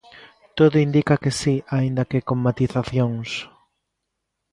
Todo indica que si, aínda que con matizacións.